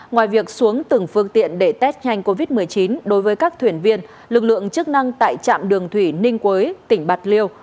ngoài việc xuống từng phương tiện để test nhanh covid một mươi chín đối với các thuyền viên lực lượng chức năng tại trạm đường thủy ninh quế tỉnh bạc liêu